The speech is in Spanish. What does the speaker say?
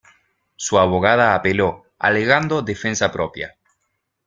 Su abogada apeló, alegando defensa propia.